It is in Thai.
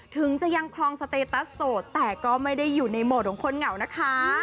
ถึงจะยังคลองสเตตัสโสดแต่ก็ไม่ได้อยู่ในโหมดของคนเหงานะคะ